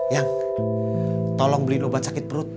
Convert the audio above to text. yang tolong beri obat sakit perut